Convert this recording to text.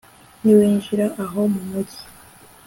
niwinjira aho mu mugi